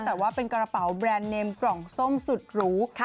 แต่ว่าเป็นกระเป๋าแบรนด์เนมกล่องส้มสุดหรู